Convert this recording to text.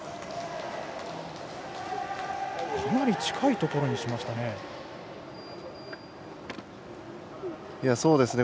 かなり近いところにしましたね。